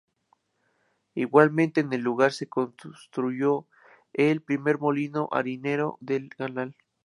Igualmente en el lugar se construyó el primer molino harinero del Canal.